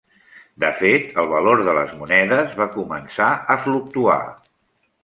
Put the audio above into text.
De fet, el valor de les monedes va començar a fluctuar.